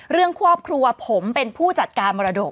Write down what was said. เรื่องครอบครัวผมเป็นผู้จัดการมรดก